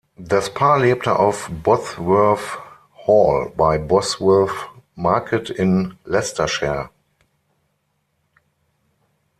Das Paar lebte auf "Bosworth Hall" bei Bosworth Market in Leicestershire.